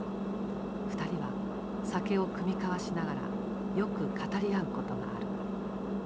２人は酒を酌み交わしながらよく語り合うことがある。